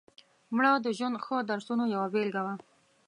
مړه د ژوند ښو درسونو یوه بېلګه وه